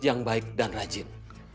yang baik dan rajin